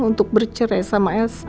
untuk bercerai sama elsa